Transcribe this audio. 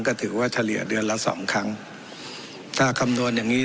ก็ถือว่าเฉลี่ยเดือนละสองครั้งถ้าคำนวณอย่างงี้